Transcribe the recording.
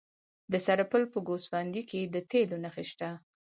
د سرپل په ګوسفندي کې د تیلو نښې شته.